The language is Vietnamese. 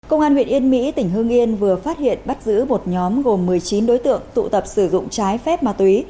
công an huyện yên mỹ tỉnh hương yên vừa phát hiện bắt giữ một nhóm gồm một mươi chín đối tượng tụ tập sử dụng trái phép ma túy